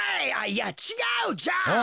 いやちがうじゃん。